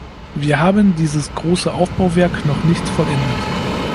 Wir haben dieses große Aufbauwerk noch nicht vollendet.